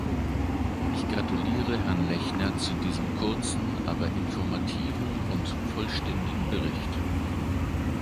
Ich gratuliere Herrn Lechner zu diesem kurzen, aber informativen und vollständigen Bericht.